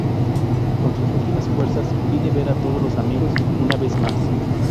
Con sus últimas fuerzas, pide ver a todos los amigos una vez más.